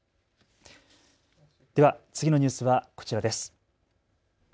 では次のニュースはこちらです。